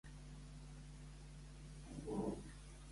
Com l'anomenen Eusebi de Cesarea i Jeroni d'Estridó?